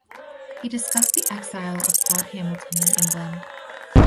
He discussed the exile of Claud Hamilton in England.